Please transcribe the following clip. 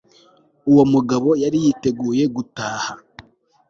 uwo mugabo yari yiteguye gutaha